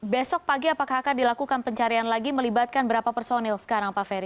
besok pagi apakah akan dilakukan pencarian lagi melibatkan berapa personil sekarang pak ferry